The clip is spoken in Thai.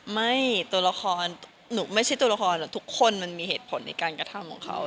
ตัวละครหนูไม่ใช่ตัวละครแต่ทุกคนมันมีเหตุผลในการกระทำของเขา